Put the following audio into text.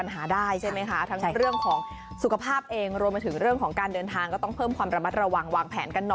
หรือผ่อนหนักเป็นเบาได้บ้างคะหมอกัน